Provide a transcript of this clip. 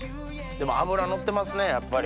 でも脂のってますねやっぱり。